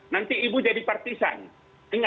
nanti ibu jadi partisan ingat itu